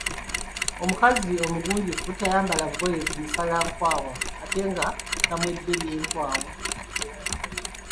Omukazi omugunjufu tayambala bugoye bumusala nkwawa ate nga tamwedde byenkwawa.